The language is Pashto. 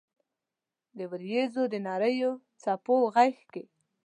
د اوریځو د نریو څپو غېږ کې